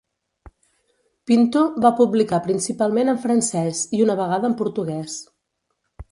Pinto va publicar principalment en francès i una vegada en portuguès.